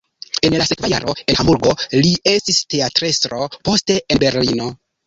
En la sekva jaro en Hamburgo li estis teatrestro, poste en Berlino.